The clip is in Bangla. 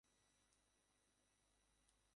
সেই থেকেই শখের কাজটি শার্লক পেশা হিসেবেই নিয়ে নিলেন।